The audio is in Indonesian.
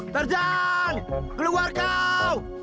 tarzan keluar kau